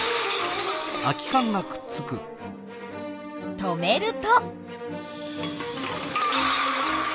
止めると。